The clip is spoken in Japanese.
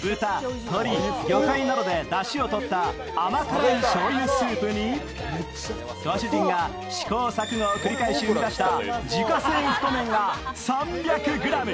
豚、鶏、魚介などでだしを取った甘辛いしょうゆスープにご主人が試行錯誤を繰り返し生み出した自家製太麺が３００ｇ。